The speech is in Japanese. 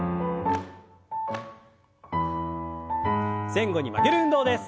前後に曲げる運動です。